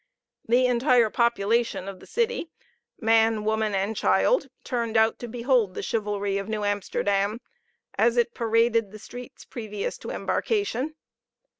The entire population of the city, man, woman, and child, turned out to behold the chivalry of New Amsterdam, as it paraded the streets previous to embarkation.